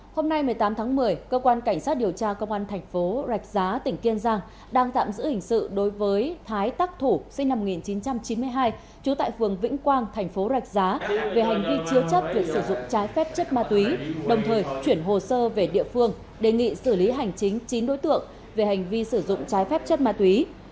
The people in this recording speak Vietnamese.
hôm nay một mươi tám tháng một mươi cơ quan cảnh sát điều tra công an thành phố rạch giá tỉnh kiên giang đang tạm giữ hình sự đối với thái tắc thủ sinh năm một nghìn chín trăm chín mươi hai trú tại phường vĩnh quang thành phố rạch giá về hành vi chứa chất việc sử dụng trái phép chất ma túy đồng thời chuyển hồ sơ về địa phương đề nghị xử lý hành chính chín đối tượng về hành vi sử dụng trái phép chất ma túy